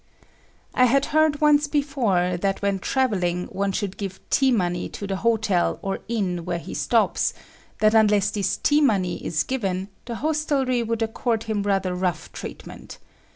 I had heard once before that when travelling, one should give "tea money" to the hotel or inn where he stops; that unless this "tea money" is given, the hostelry would accord him rather rough treatment.